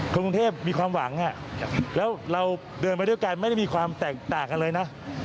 กรุงเทพมีความหวังแล้วเราเดินไปด้วยกันไม่ได้มีความแตกต่างกันเลยนะ